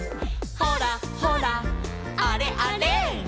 「ほらほらあれあれ」